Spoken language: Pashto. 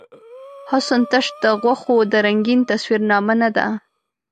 حسن تش د غوښو د رنګین تصویر نامه نۀ ده.